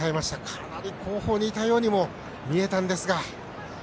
かなり後方にいたようにも見えたんですが。